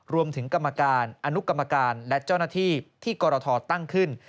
รวมถึงกรรมการอนุกรรมการและเจ้าหน้าที่ที่กรทตั้งขึ้น